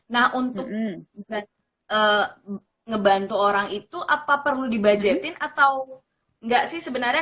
nah untuk ngebantu orang itu apa perlu dibudgetin atau enggak sih sebenarnya